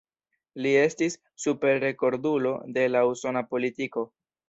Li estis "Super-rekordulo" de la usona politiko.